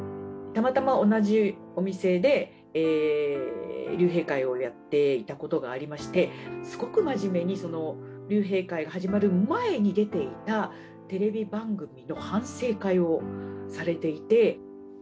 たまたま同じお店で、竜兵会をやっていたことがありまして、すごく真面目に、その竜兵会が始まる前に出ていたテレビ番組の反省会をされていて。